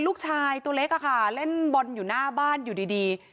ลูกชายตัวเล็กอะค่ะเล่นบอลอยู่หน้าบ้านอยู่ดี